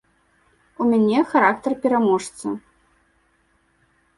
У мяне характар пераможцы.